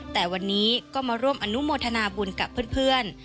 แต่วันนี้ก็มาร่วมอนุโมทนาบุญกับเพื่อน